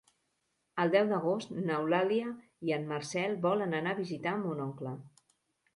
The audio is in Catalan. El deu d'agost n'Eulàlia i en Marcel volen anar a visitar mon oncle.